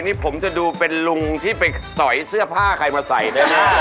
นี่ผมจะดูเป็นลุงที่ไปสอยเสื้อผ้าใครมาใส่ได้ไหม